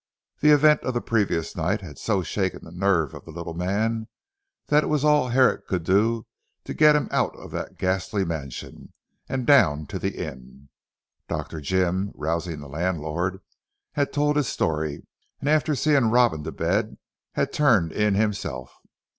The events of the previous night had so shaken the nerve of the little man, that it was all Herrick could do to get him out of that ghastly mansion, and down to the inn. Dr. Jim, rousing the landlord, had told his story and after seeing Robin to bed, had turned in himself.